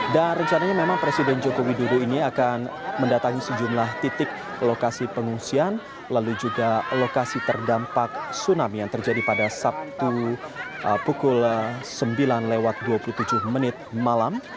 dan rencananya memang presiden joko widodo ini akan mendatangi sejumlah titik lokasi pengungsian lalu juga lokasi terdampak tsunami yang terjadi pada sabtu pukul sembilan lewat dua puluh tujuh menit malam